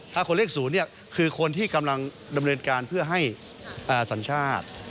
ถ้าคนเลข๐คือคนที่กำลังดำเนินการเพื่อให้สัญชาติ